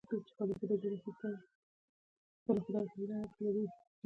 یوه وړه یا نیمګړې جمله له بلې سره اړیکې لري.